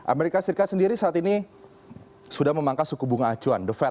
amerika serikat sendiri saat ini sudah memangkas suku bunga acuan the fed